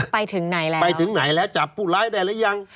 ไปถึงไหนแล้วไปถึงไหนแล้วจับผู้ร้ายได้หรือยัง